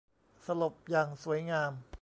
สลบอย่างสวยงาม